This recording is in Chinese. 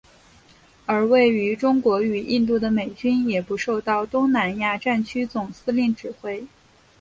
而位于中国与印度的美军也不受到东南亚战区总司令指挥。